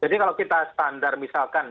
jadi kalau kita standar misalkan